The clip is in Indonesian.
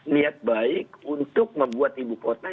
niat baik untuk membuat ibu kota